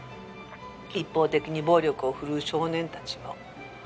一方的に暴力をふるう少年たちも。